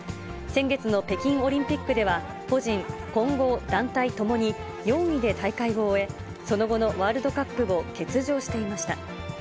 先月の北京オリンピックでは、個人、混合団体ともに４位で大会を終え、その後のワールドカップを欠場していました。